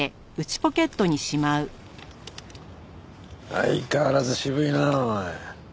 相変わらず渋いなあおい。